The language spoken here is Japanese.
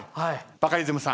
バカリズムさん。